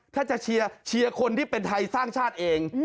เขาจะเชียร์คนที่เป็นไทรสร้างชาติเอง